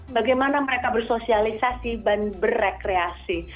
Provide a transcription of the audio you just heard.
bagaimana mereka bersosialisasi dan berrekreasi